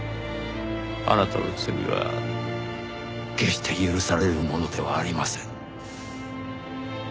あなたの罪は決して許されるものではありません。